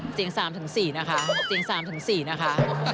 เสียง๓ถึง๔นะคะ